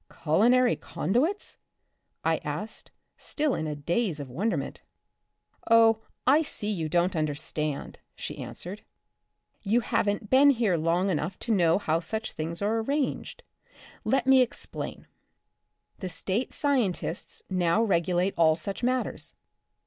Culinary conduits? I asked, still in a daze of wonderment. Oh, I see you don't understand," she an swered ;you haven't been here long enough to know how such things are arranged. Let me explain. The State scientists now regulate all such matters.